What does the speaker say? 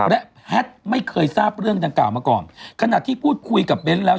และแพทย์ไม่เคยทราบเรื่องดังกล่าวมาก่อนขณะที่พูดคุยกับเบ้นแล้ว